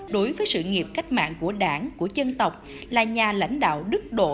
đối với sự nghiệp cách mạng của đảng của dân tộc là nhà lãnh đạo đức độ